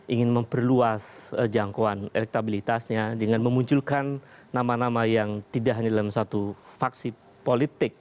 ingin memperluas jangkauan elektabilitasnya dengan memunculkan nama nama yang tidak hanya dalam satu faksi politik